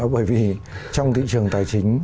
bởi vì trong thị trường tài chính